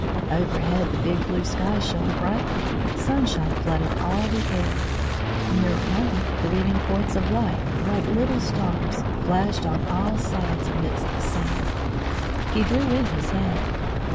Overhead the big blue sky shone brightly, sunshine flooded all the air; nearer home gleaming points of light, like little stars, flashed on all sides amidst the sand. He drew in his head.